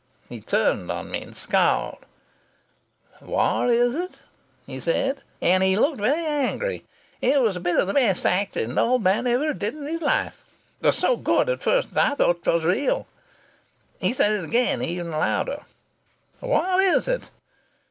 He turned on me and scowled: 'What is it?' he said, and he looked very angry. It was a bit of the best acting the old man ever did in his life. It was so good that at first I thought it was real. He said again louder, 'What is it?'